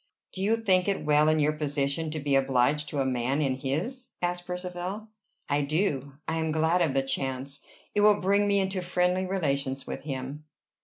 "Do you think it well in your position to be obliged to a man in his?" asked Percivale. "I do. I am glad of the chance. It will bring me into friendly relations with him."